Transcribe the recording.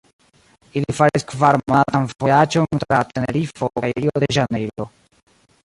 Ili faris kvar-monatan vojaĝon tra Tenerifo kaj Rio-de-Ĵanejro.